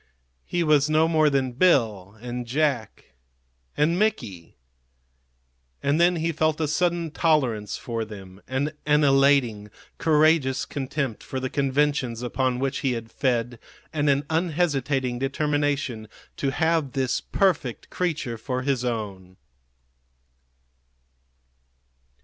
He was no more than Bill and Jack and Mickey. And then he felt a sudden tolerance for them, and an elating, courageous contempt for the conventions upon which he had fed, and an unhesitating determination to have this perfect creature for his own.